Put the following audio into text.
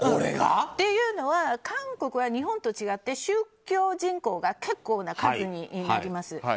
っていうのは、韓国は日本と違って宗教人口が結構な数になります。